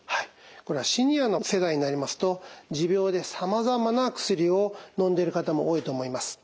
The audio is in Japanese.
これはシニアの世代になりますと持病でさまざまな薬をのんでいる方も多いと思います。